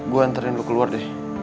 gue anterin lo keluar deh